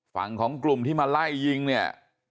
ฝั่งของกลุ่มที่มาไล่ยิงเนี่ย